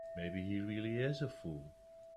Maybe he really is a fool.